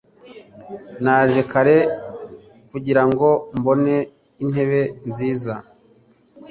Naje kare kugirango mbone intebe nziza. (Zifre)